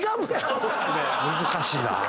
難しいなぁ。